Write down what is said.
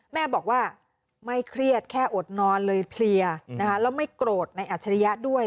แม่บอกว่าไม่เครียดแค่อดนอนเลยเพลียนะคะแล้วไม่โกรธในอัจฉริยะด้วย